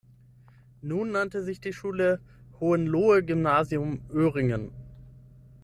Nun nannte sich die Schule "Hohenlohe-Gymnasium Öhringen".